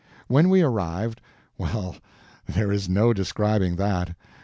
When we arrived—well, there is no describing that.